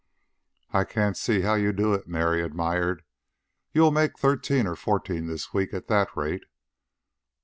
"I can't see how you do it," Mary admired. "You'll make thirteen or fourteen this week at that rate."